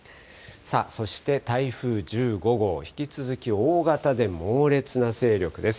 そして台風１５号、引き続き、大型で猛烈な勢力です。